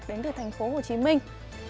đến từ thành phố hồ chí minh